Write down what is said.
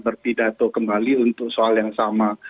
berpidato kembali untuk soal yang sama